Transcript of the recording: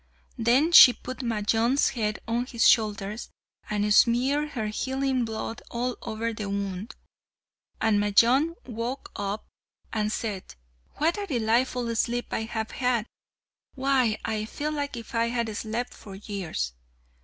Then she put Majnun's head on his shoulders, and smeared her healing blood all over the wound, and Majnun woke up and said, "What a delightful sleep I have had! Why, I feel as if I had slept for years!"